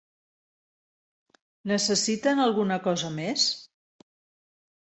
Necessiten alguna cosa més?